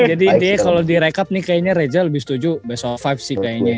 jadi intinya kalo di rekap nih kayaknya reza lebih setuju best of lima sih kayaknya ya